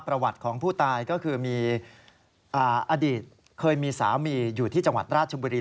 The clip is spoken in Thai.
ประวัติของผู้ตายก็คือมีอดีตเคยมีสามีอยู่ที่จังหวัดราชบุรี